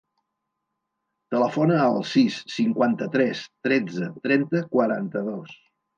Telefona al sis, cinquanta-tres, tretze, trenta, quaranta-dos.